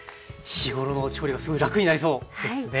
日頃の調理がすごい楽になりそうですね。